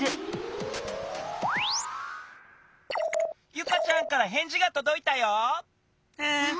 ユカちゃんからへんじがとどいたよ。わ！